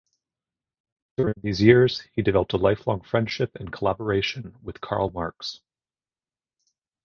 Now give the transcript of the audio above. During these years, he developed a lifelong friendship and collaboration with Karl Marx.